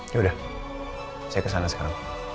yaudah saya kesana sekarang